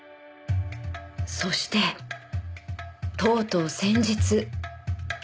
そしてとうとう先日。